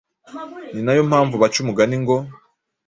Ni na yo mpamvu baca umugani ngo